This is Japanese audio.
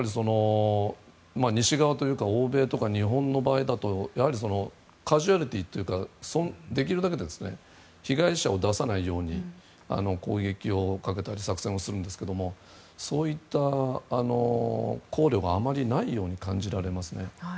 西側というか欧米とか日本の場合だとできるだけ被害者を出さないように攻撃をかけたり作戦をするんですがそういった考慮があまりないように感じられますね。